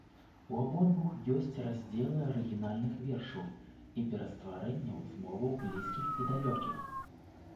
У абодвух ёсць раздзелы арыгінальных вершаў і перастварэнняў з моваў блізкіх і далёкіх.